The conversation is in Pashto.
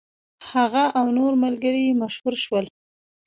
هغه او نور ملګري یې مشهور شول.